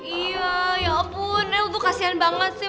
iya ya ampun nanti lo tuh kasian banget sih